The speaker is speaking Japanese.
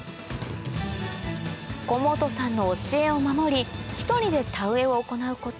小本さんの教えを守り１人で田植えを行うこと